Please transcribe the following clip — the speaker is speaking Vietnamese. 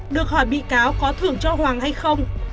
được hỏi bị cáo có thưởng cho hoàng hay không